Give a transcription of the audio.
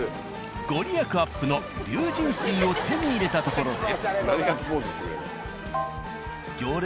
ご利益アップの龍神水を手に入れたところで。